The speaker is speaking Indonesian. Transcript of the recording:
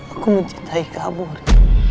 aku mencintai kamu riri